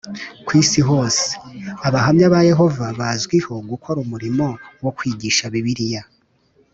Ku isi hose, Abahamya ba Yehova bazwiho gukora umurimo wo kwigisha Bibiliya